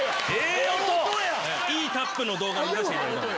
いいタップの動画見させていただいたんで。